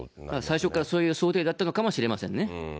最初からそういう想定だったのかもしれませんね。